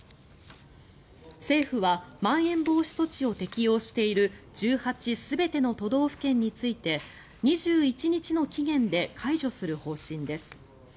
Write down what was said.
政府はまん延防止措置を適用している１８全ての都道府県について２１日の期限で解除する方針です。